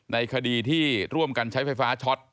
ในคดีที่ร่วมกันใช้ไฟฟ้าช็อต